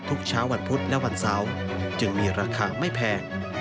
ทุกเช้าวันพุธและวันเสาร์จึงมีราคาไม่แพง